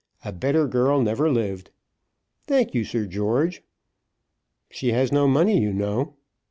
A better girl never lived." "Thank you, Sir George." "She has no money, you know."